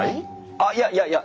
あっいやいやいや！